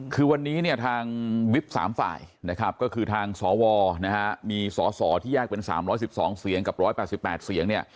คือวันนี้ทางวิบสามฝ่ายก็คือทางสวมีสสที่แยกเป็น๓๑๒เสียงกับ๑๘๘เสียง